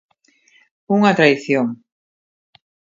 Unha tradición.